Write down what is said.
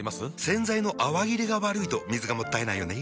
洗剤の泡切れが悪いと水がもったいないよね。